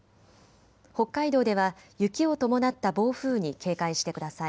北海道では雪を伴った暴風に警戒してください。